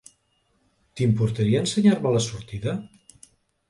T'importaria ensenyar-me la sortida?